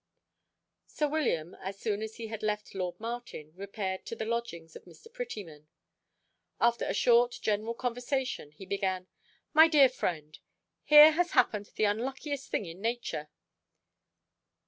Sir William, as soon as he had left lord Martin, repaired to the lodgings of Mr. Prettyman. After a short general conversation, he began, "My dear friend, here has happened the unluckiest thing in nature.